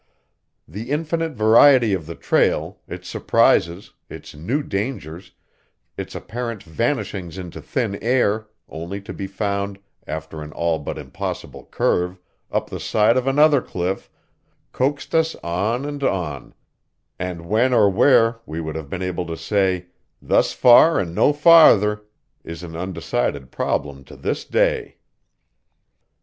The infinite variety of the trail, its surprises, its new dangers, its apparent vanishings into thin air, only to be found, after an all but impossible curve, up the side of another cliff, coaxed us on and on; and when or where we would have been able to say, "thus far and no farther" is an undecided problem to this day.